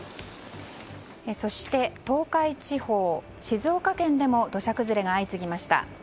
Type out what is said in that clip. そして東海地方、静岡県でも土砂崩れが相次ぎました。